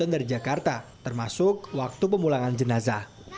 dan dari jakarta termasuk waktu pemulangan jenazah